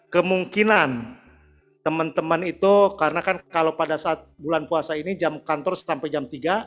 kemungkinan teman teman itu karena kan kalau pada saat bulan puasa ini jam kantor sampai jam tiga